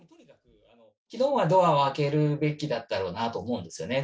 きのうはドアを開けるべきだったろうなと思うんですよね。